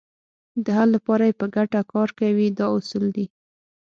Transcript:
د حل لپاره یې په ګټه کار کوي دا اصول دي.